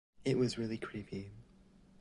It was really creepy.